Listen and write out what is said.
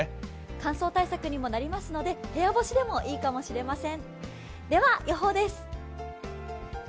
乾燥対策にもなりますので部屋干しでもいいかもしれません。